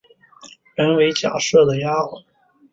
原为贾赦的丫环。